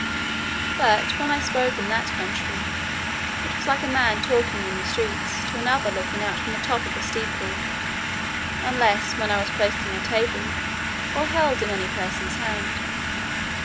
But, when I spoke in that country, it was like a man talking in the streets, to another looking out from the top of a steeple, unless when I was placed on a table, or held in any person's hand."